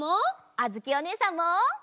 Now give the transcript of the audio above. あづきおねえさんも！